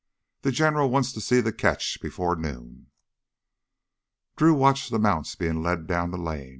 The General wants to see the catch before noon." Drew watched the mounts being led down the lane.